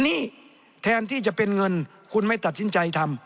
หนี้แทนที่จะเป็นเงินคุณไม่ตัดสินใจทำ